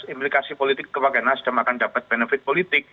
implikasi politik kepada nasdem akan dapat benefit politik